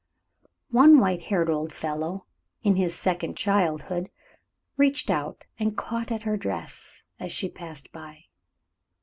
One white haired old fellow, in his second childhood, reached out and caught at her dress, as she passed by.